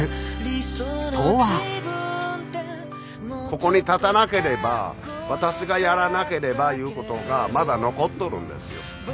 ここに立たなければ私がやらなければいうことがまだ残っとるんですよ。